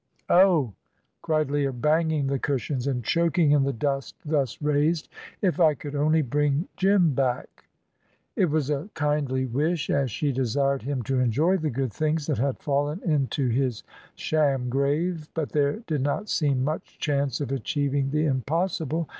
"Oh!" cried Leah, banging the cushions and choking in the dust thus raised "if I could only bring Jim back!" It was a kindly wish, as she desired him to enjoy the good things that had fallen into his sham grave. But there did not seem much chance of achieving the impossible.